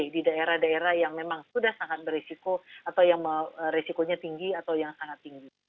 di daerah daerah yang memang sudah sangat berisiko atau yang resikonya tinggi atau yang sangat tinggi